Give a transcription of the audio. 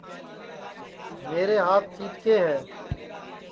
میرے ہات چِیٹکے ہے